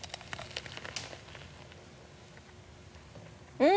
うん！